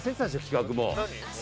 企画もう。